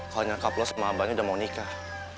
kalau nyokap lu sama abahnya udah mau nikah